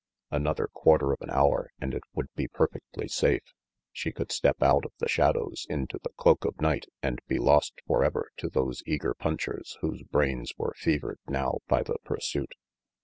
Another quarter of an hour and it would be perfectly safe. She could step out of the shadows into the cloak of night and be lost forever to those eager punchers whose brains were fevered now by the pursuit.